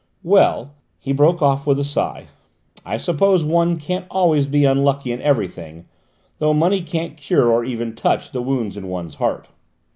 Well!" he broke off with a sigh, "I suppose one can't always be unlucky in everything, though money can't cure, or even touch, the wounds in one's heart."